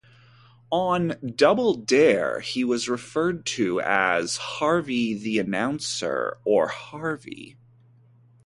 On "Double Dare", he was referred to as "Harvey the Announcer" or "Harvey".